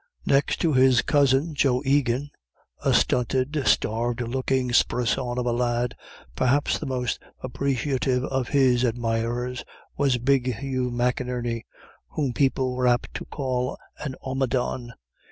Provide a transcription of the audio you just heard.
Next to his cousin, Joe Egan, a stunted, starved looking sprissawn of a lad, perhaps the most appreciative of his admirers was big Hugh McInerney, whom people were apt to call an omadhawn.